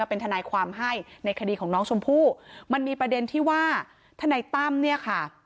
เป็นทนายความให้ในคดีของน้องชมพู่มันมีประเด็นที่ว่าทนายตั้มเนี่ยค่ะ